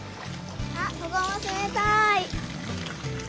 あっここもつめたい。